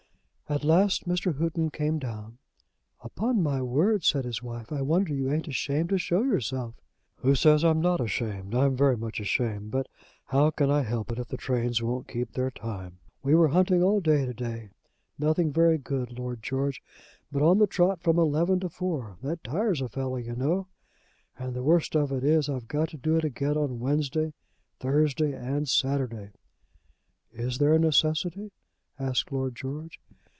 At last Mr. Houghton came down. "Upon my word," said his wife, "I wonder you ain't ashamed to shew yourself." "Who says I'm not ashamed? I'm very much ashamed. But how can I help it if the trains won't keep their time? We were hunting all day to day, nothing very good, Lord George, but on the trot from eleven to four. That tires a fellow, you know. And the worst of it is I've got to do it again on Wednesday, Thursday, and Saturday." "Is there a necessity?" asked Lord George.